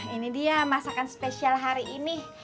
ini dia masakan spesial hari ini